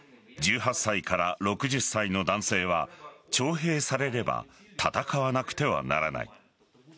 １８歳から６０歳の男性は徴兵されれば戦わなくてはならない。